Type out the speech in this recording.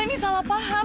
ini salah paham